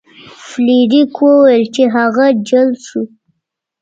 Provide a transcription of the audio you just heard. فلیریک وویل چې هغه جل شو.